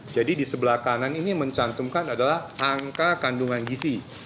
jadi di sebelah kanan ini yang mencantumkan adalah angka kandungan gisi